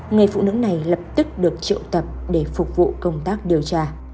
người phụ nữ này lập tức được triệu tập để phục vụ công tác điều tra